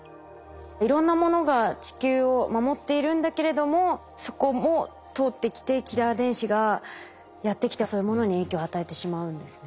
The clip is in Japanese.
いろんなものが地球を守っているんだけれどもそこも通ってきてキラー電子がやって来てそういうものに影響を与えてしまうんですね。